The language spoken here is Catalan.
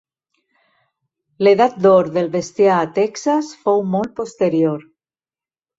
L'edat d'or del bestiar a Texas fou molt posterior.